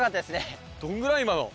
どんぐらい今の？